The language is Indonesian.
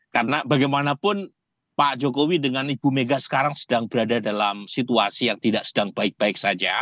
karena bagaimanapun pak jokowi dengan ibu mega sekarang sedang berada dalam situasi yang tidak sedang baik baik saja